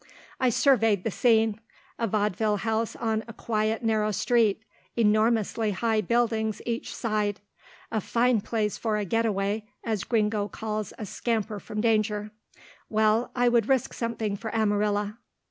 I surveyed the scene a vaudeville house on a quiet, narrow street, enormously high buildings each side a fine place for a getaway as Gringo calls a scamper from danger well, I would risk something for Amarilla.